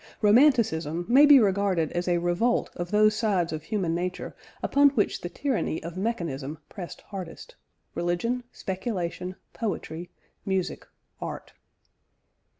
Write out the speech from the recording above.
Romanticism may be regarded as a revolt of those sides of human nature upon which the tyranny of mechanism pressed hardest religion, speculation, poetry, music, art.